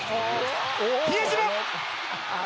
比江島！